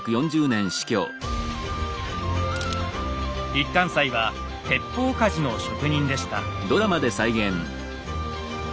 一貫斎は鉄砲鍛冶の職人でした。